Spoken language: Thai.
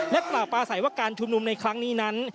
และปราศัยว่าการชุมนุมในครั้งนี้นั้น